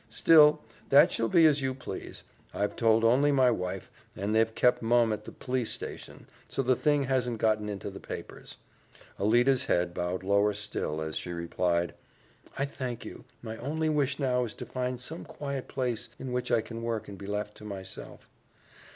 "Still, that shall be as you please. I've told only my wife, and they've kept mum at the police station, so the thing hasn't got into the papers." Alida's head bowed lower still as she replied, "I thank you. My only wish now is to find some quiet place in which I can work and be left to myself."